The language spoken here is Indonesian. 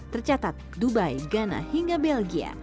tercatat dubai ghana hingga belgia